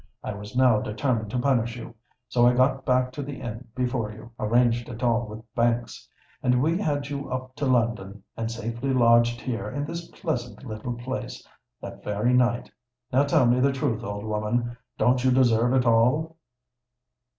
I was now determined to punish you: so I got back to the inn before you—arranged it all with Banks—and we had you up to London, and safely lodged here in this pleasant little place, that very night. Now, tell me the truth, old woman—don't you deserve it all?"